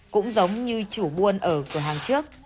cũng giống như chủ buôn ở cửa hàng trước